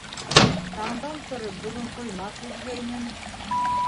- Таңдан тороп, бөгөн ҡоймаҡ иҙгәйнем.